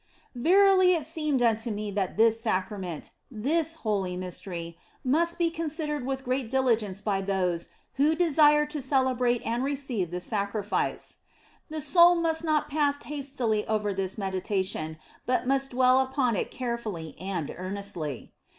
Verily, it seemeth unto me that this Sacrament, this holy Mystery, must be considered with great diligence by those who desire to celebrate and receive this sacrifice ; the soul must not pass hastily over this meditation, but must dwell upon it carefully and earnestly.